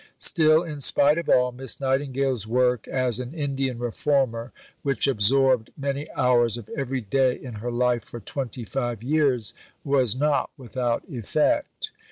Still, in spite of all, Miss Nightingale's work as an Indian Reformer, which absorbed many hours of every day in her life for twenty five years, was not without effect.